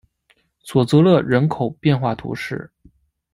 索泽勒人口变化图示